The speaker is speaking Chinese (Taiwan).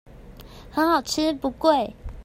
很好吃不貴